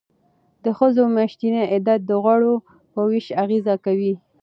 د ښځو میاشتنی عادت د غوړو په ویش اغیز کوي.